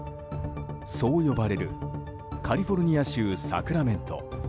そう呼ばれるカリフォルニア州サクラメント。